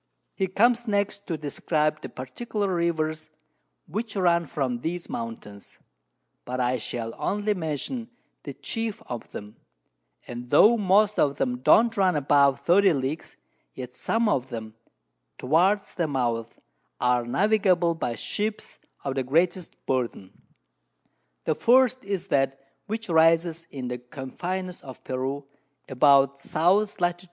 _] He comes next to describe the particular Rivers which run from these Mountains; but I shall only mention the chief of them; and tho' most of them don't run above 30 Leagues, yet some of them, towards their Mouths, are navigable by Ships of the greatest Burthen. The first is that which rises in the Confines of Peru, about S. Lat.